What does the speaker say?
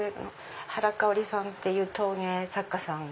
はら・かおりさんっていう陶芸作家さん。